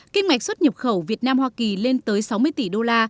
kinh mạch xuất nhập khẩu việt nam hoa kỳ lên tới sáu mươi tỷ đô la